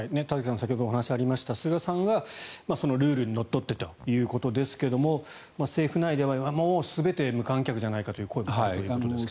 先ほどお話がありました菅さんはルールにのっとってということですが政府内ではもう全て無観客じゃないかという声が出ているということですが。